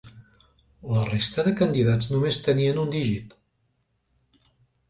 La resta de candidats només tenien un dígit.